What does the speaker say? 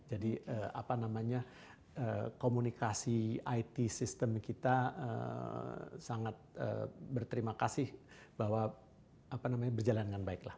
jadi apa namanya komunikasi it system kita sangat berterima kasih bahwa apa namanya berjalan dengan baik lah